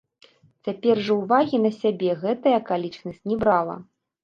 Цяпер жа ўвагі на сябе гэтая акалічнасць не брала.